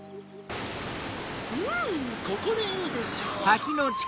うんここでいいでしょう。